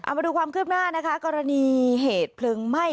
มาดูความคืบหน้านะคะกรณีเหตุเพลิงไหม้